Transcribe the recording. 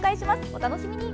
お楽しみに。